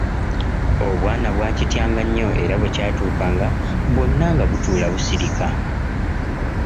Obwana bwakityanga nnyo era bwekyatuukanga bwonna nga butuula busirika.